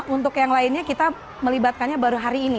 untuk yang lainnya kita melibatkannya baru hari ini